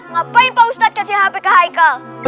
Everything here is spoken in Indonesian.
ngapain pak ustadz kasih hp ke haikal